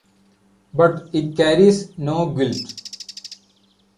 But it carries no guilt.